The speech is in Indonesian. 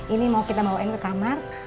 ini mau kita bawain ke kamar